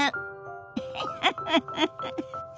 フフフフフフ。